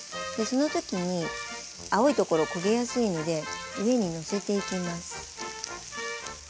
その時に青いところ焦げやすいので上にのせていきます。